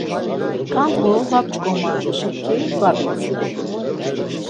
Ǩandğu var p̌ç̌ǩoma-şaki var bidzğer.